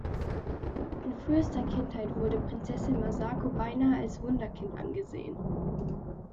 In frühester Kindheit wurde Prinzessin Masako beinahe als Wunderkind angesehen.